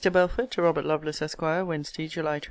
BELFORD, TO ROBERT LOVELACE, ESQ. WEDNESDAY, JULY 26.